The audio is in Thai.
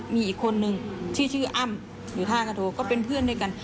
มีอีกคนนึงที่ชื่ออ้ำอยู่ท่ากระโทก็เป็นเพื่อนด้วยกัน